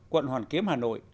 quận hoàn kiếm hà nội